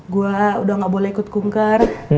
gue udah gak boleh ikut kunker